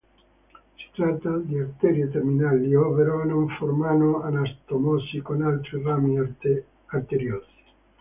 Si tratta di arterie terminali, ovvero non formano anastomosi con altri rami arteriosi.